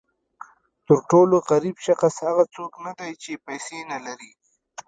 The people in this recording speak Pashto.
تر ټولو غریب شخص هغه څوک نه دی چې پیسې نه لري.